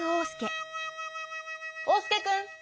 おうすけくん！